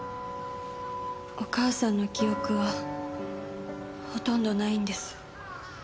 お母さんの記憶はほとんどないんです。